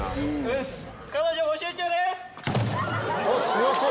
強そう。